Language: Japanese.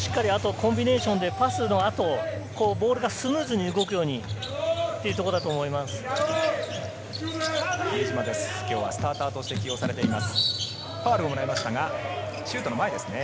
コンビネーションでパスの後、ボールがスムーズに動くようにというところだと思います。